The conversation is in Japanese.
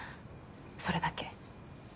それだけ。